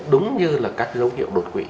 đúng như là các dấu hiệu đột quỵ